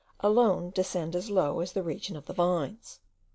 alone descend as low as the region of the vines.